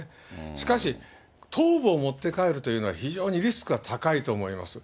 しかし、頭部を持って帰るというのは非常にリスクが高いと思います。